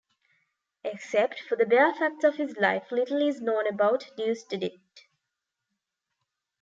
Except for the bare facts of his life, little is known about Deusdedit.